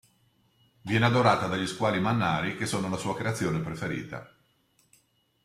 Viene adorata dagli squali mannari che sono la sua creazione preferita.